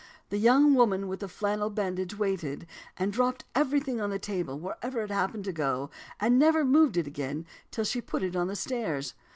"The young woman with the flannel bandage waited, and dropped everything on the table wherever it happened to go, and never moved it again until she put it on the stairs.